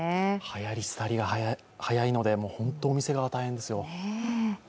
はやりすたりが早いのでホント、お店側は大変ですよ。